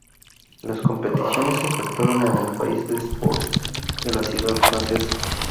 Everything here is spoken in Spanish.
Las competiciones se efectuaron en el Palais de Sports de la ciudad francesa.